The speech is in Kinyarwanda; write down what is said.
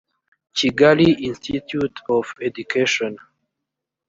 kigali institute of education